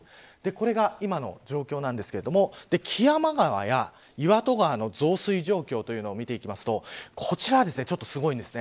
これが今の状況なんですが木山川や岩戸川の増水状況を見ていくとこちらは、ちょっとすごいです。